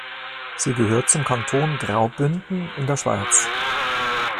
Sie gehört zum Kanton Graubünden in der Schweiz.